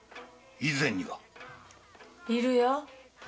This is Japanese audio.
以前には？いるよ。